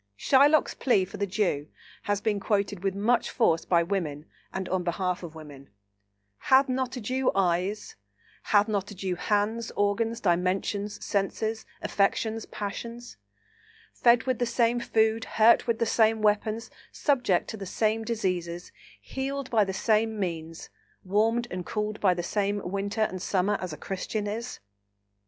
Shylock's plea for the Jew has been quoted with much force by women and on behalf of women: "Hath not a Jew eyes? Hath not a Jew hands, organs, dimensions, senses, affections, passions? fed with the same food, hurt with the same weapons, subject to the same diseases, healed by the same means, warmed and cooled by the same winter and summer, as a Christian is?